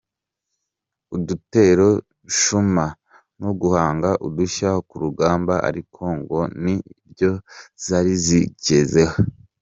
Udutero shuma no guhanga udushya ku rugamba ariko ngo ni byo zari zikizeho.